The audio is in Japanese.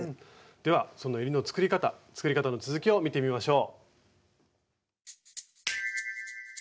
ではそのえりの作り方作り方の続きを見てみましょう。